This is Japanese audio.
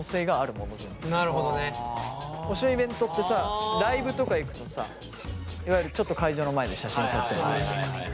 推しのイベントってさライブとか行くとさいわゆるちょっと会場の前で写真撮ってもらうとか。